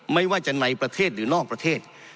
ไม่ว่าจะในประเทศหรือนอกประเทศ